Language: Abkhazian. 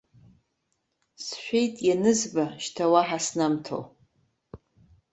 Сшәеит ианызба шьҭа уаҳа снамҭо.